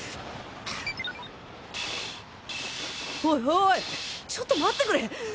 おいおいちょっと待ってくれ！